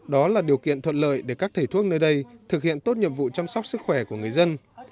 đó là điều kiện thuận lợi để các thể thuốc nơi đây thực hiện tốt nhiệm vụ chăm sóc sức khỏe của người dân